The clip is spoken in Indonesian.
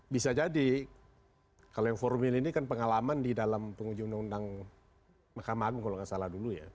bisa jadi kalau yang formil ini kan pengalaman di dalam penguji undang undang mahkamah agung kalau nggak salah dulu ya